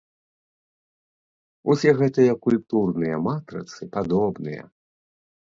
Усе гэтыя культурныя матрыцы падобныя.